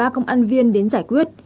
ba công an viên đến giải quyết